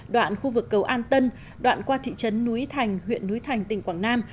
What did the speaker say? đoạn khu vực cầu an tân đoạn qua thị trấn núi thành huyện núi thành tỉnh quảng nam